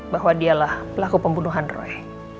bahwa dialah pelaku pembunuhan roy